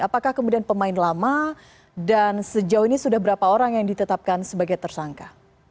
apakah kemudian pemain lama dan sejauh ini sudah berapa orang yang ditetapkan sebagai tersangka